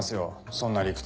そんな理屈。